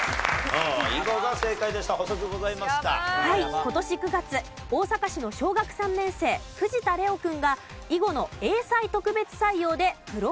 今年９月大阪市の小学３年生藤田怜央君が囲碁の英才特別採用でプロ入りしました。